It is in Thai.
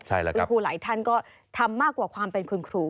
คุณครูหลายท่านก็ทำมากกว่าความเป็นคุณครู